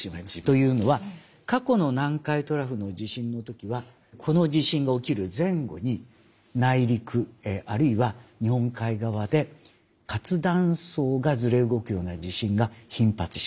というのは過去の南海トラフの地震の時はこの地震が起きる前後に内陸あるいは日本海側で活断層がずれ動くような地震が頻発します。